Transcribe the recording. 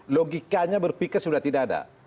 logikanya berpikir sudah tidak ada